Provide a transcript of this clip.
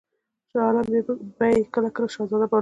شاه عالم به یې کله کله شهزاده باله.